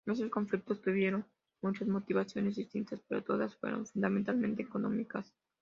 Estos conflictos tuvieron muchas motivaciones distintas, pero todas fueron fundamentalmente económicas.